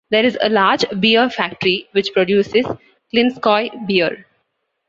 There is a large beer factory, which produces "Klinskoye" beer.